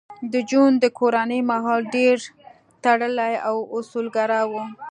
د جون د کورنۍ ماحول ډېر تړلی او اصولګرا و